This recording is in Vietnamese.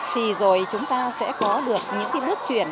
thì rồi chúng ta sẽ có được những cái bước chuyển